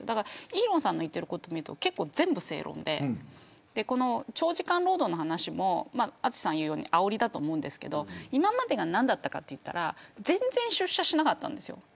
イーロンさんの言ってることを見ると結構、全部正論で長時間労働の話も淳さんの言うようにあおりだと思いますが今までが何だったかというと全然、出社しなかったんです。